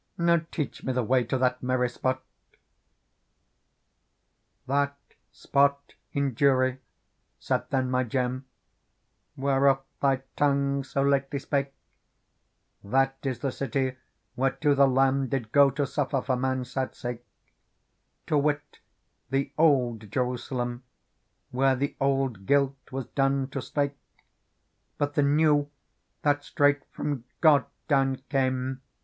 Now teach me the way to that merry spot," '' That spot in Jewry,'* said then my Gem, " Whereof thy tongue so lately spake, That is the city whereto the Lamb Did go to suffer for man's sad sake ; To wit, the Old Jerusalem Where the old guilt was done to slake. But the New, that straight from God down came.